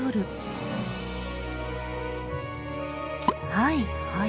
はいはい。